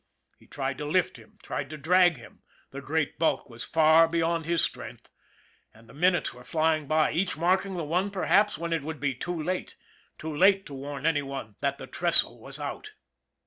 He tried to lift him, tried to drag him the great bulk was far beyond his strength. And the minutes were flying by, each marking the one perhaps when it would be too late, too late to warn any one that the trestle was out.